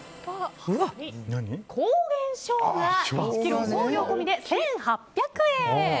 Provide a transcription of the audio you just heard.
高原生姜、１ｋｇ送料込みで１８００円。